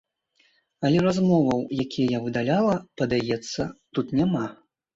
Але размоваў, якія я выдаляла, падаецца, тут няма.